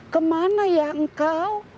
kemana ya engkau